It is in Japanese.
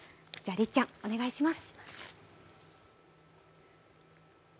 りっちゃん、お願いします。